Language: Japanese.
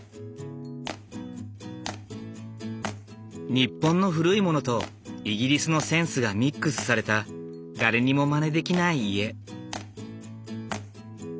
日本の古いものとイギリスのセンスがミックスされた誰にもまねできない家。